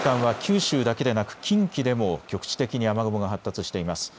この時間は九州だけでなく近畿でも局地的に雨雲が発達しています。